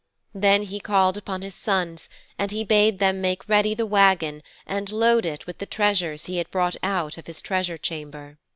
Then he called upon his sons and he bade them make ready the wagon and load it with the treasures he had brought out of his treasure chamber.'